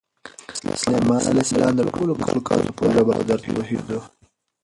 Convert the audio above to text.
سلیمان علیه السلام د ټولو مخلوقاتو په ژبه او درد پوهېده.